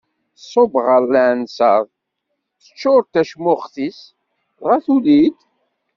Tṣubb ɣer lɛinseṛ, teččuṛ-d tacmuxt-is dɣa tuli-d.